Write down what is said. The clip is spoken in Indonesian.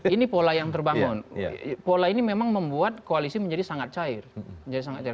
ini pola yang terbangun pola ini memang membuat koalisi menjadi sangat cair menjadi sangat cair